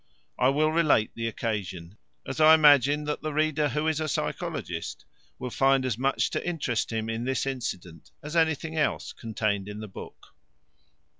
I will relate the occasion, as I imagine that the reader who is a psychologist will find as much to interest him in this incident as in anything else contained in the book.